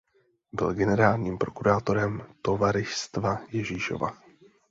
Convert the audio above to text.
Byl generálním prokurátorem Tovaryšstva Ježíšova.